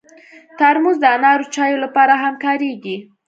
ترموز د انارو چایو لپاره هم کارېږي.